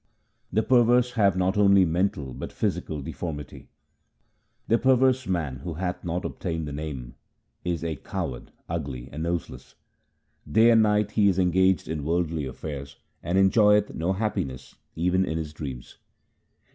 The perverse have not only mental but physical deformity :— The perverse man who hath not obtained the Name, is a coward ugly and noseless. Day and night he is engaged in worldly affairs, and enjoyeth no happiness even in his dreams.